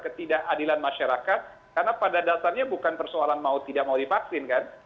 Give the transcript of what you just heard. ketidakadilan masyarakat karena pada dasarnya bukan persoalan mau tidak mau divaksin kan